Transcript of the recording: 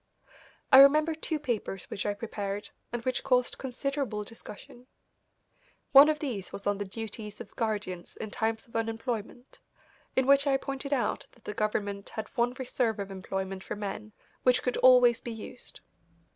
I remember two papers which I prepared and which caused considerable discussion. One of these was on the Duties of Guardians in Times of Unemployment, in which I pointed out that the government had one reserve of employment for men which could always be used.